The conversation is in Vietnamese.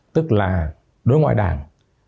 tức là đối ngoại đảng